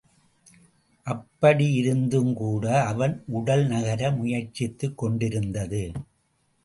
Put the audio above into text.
அப்படியிருந்துங்கூட அவன் உடல் நகர முயற்சித்துக் கொண்டிருந்தது.